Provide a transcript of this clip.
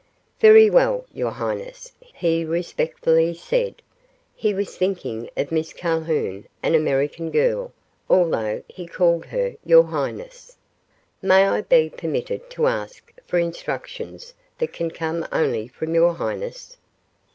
"Very well, your highness," he respectfully said. He was thinking of Miss Calhoun, an American girl, although he called her "your highness." "May I be permitted to ask for instructions that can come only from your highness?"